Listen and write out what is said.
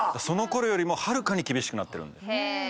そのころよりもはるかに厳しくなってるんで。